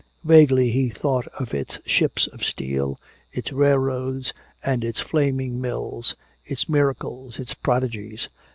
Vaguely he thought of its ships of steel, its railroads and its flaming mills, its miracles, its prodigies.